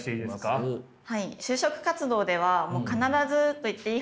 はい。